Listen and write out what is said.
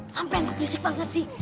sampai gak fisik banget sih